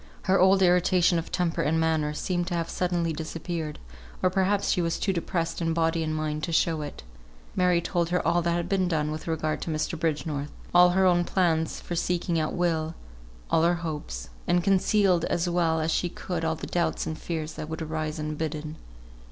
Her old irritation of temper and manner seemed to have suddenly disappeared, or perhaps she was too depressed in body and mind to show it. Mary told her all that had been done with regard to Mr. Bridgenorth; all her own plans for seeking out Will; all her hopes; and concealed as well as she could all the doubts and fears that would arise unbidden.